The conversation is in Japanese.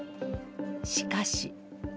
しかし。